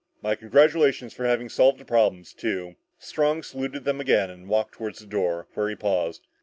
"My congratulations for having solved that problem too!" Strong saluted them again and walked toward the door, where he paused.